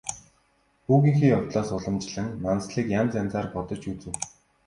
Хүүгийнхээ явдлаас уламлан Нансалыг янз янзаар бодож үзэв.